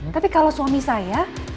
tapi kalau suami saya